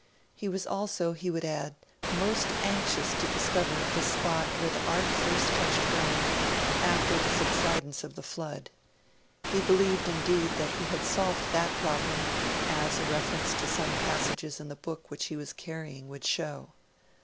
He was also, he would add, most anxious to discover the spot where the Ark first touched ground, after the subsidence of the Flood: he believed, indeed, that he had solved that problem, as a reference to some passages in the book which he was carrying would show.